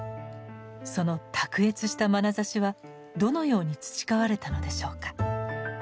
その卓越したまなざしはどのように培われたのでしょうか。